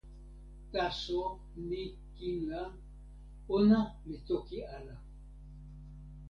taso ni kin la, ona li toki ala.